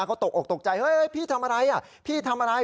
เขาตกออกตกใจเฮ้ยพี่ทำอะไรอ่ะพี่ทำอะไร